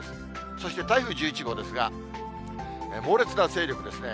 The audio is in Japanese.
そして台風１１号ですが、猛烈な勢力ですね。